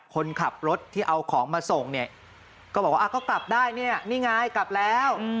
คนขับรถที่เอาของมาส่งเนี่ยก็บอกว่าก็กลับได้เนี่ยนี่ไงกลับแล้ว